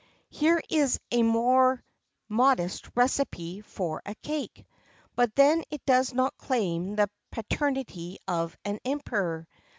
[XXIV 19] Here is a more modest recipe for a cake; but then it does not claim the paternity of an emperor.